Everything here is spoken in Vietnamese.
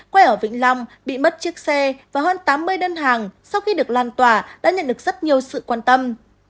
quê ở vĩnh long bị mất chiếc xe và hơn tám mươi đơn hàng sau khi được lan tỏa đã nhận được rất nhiều sự quan tâm